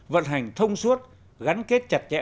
vận hành thông suốt gắn kết chặt chẽ